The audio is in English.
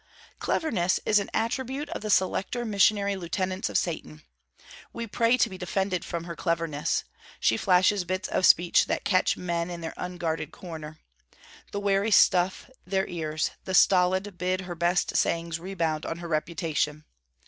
Cleverness is an attribute of the selecter missionary lieutenants of Satan. We pray to be defended from her cleverness: she flashes bits of speech that catch men in their unguarded corner. The wary stuff their ears, the stolid bid her best sayings rebound on her reputation.